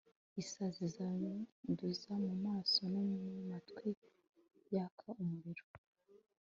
isazi zanduza mu maso no mu matwi yaka umuriro